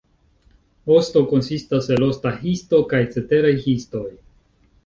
Osto konsistas el osta histo kaj ceteraj histoj.